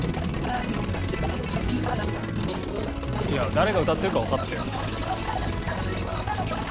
誰が歌ってるかはわかったよ。